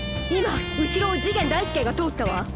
今後ろを次元大介が通ったわ。